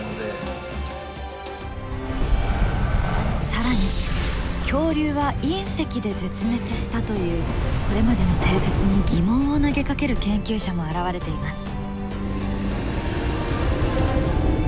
更に恐竜は隕石で絶滅したというこれまでの定説に疑問を投げかける研究者も現れています。